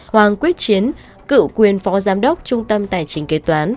hoàng quyết chiến cựu quyền phó giám đốc trung tâm tài chính kế toán